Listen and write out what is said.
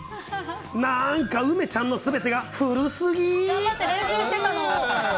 なんか梅ちゃんのすべてが古すぎ。